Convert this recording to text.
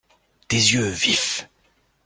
Des yeux vifs.